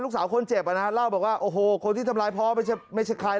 ลูกสาวคนเจ็บเล่าบอกว่าโอ้โหคนที่ทำร้ายพ่อไม่ใช่ใคร